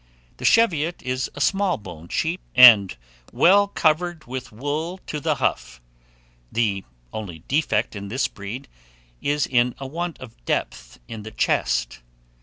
The Cheviot is a small boned sheep, and well covered with wool to the hough; the only defect in this breed, is in a want of depth in the chest.